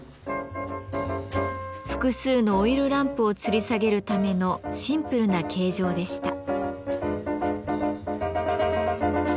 複数のオイルランプをつり下げるためのシンプルな形状でした。